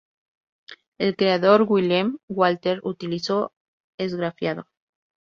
El creador, Wilhelm Walther, utilizó esgrafiado.